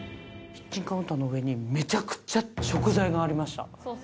キッチンカウンターの上に、めちゃくちゃ食材がありました。